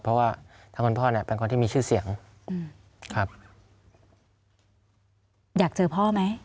เพราะว่าทางคุณพ่อเนี่ยเป็นคนที่มีชื่อเสียงครับอยากเจอพ่อไหม